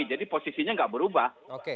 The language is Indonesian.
jadi posisinya enggak berubah